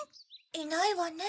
いないわね。